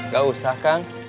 gak usah kang